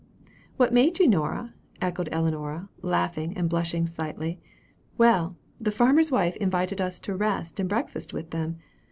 "What made you, Nora?" echoed Ellinora, laughing and blushing slightly. "Well, the farmer's wife invited us to rest and breakfast with them.